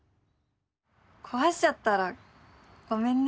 壊しちゃったらごめんね。